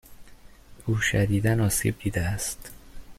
او شدیدا آسیب دیده است.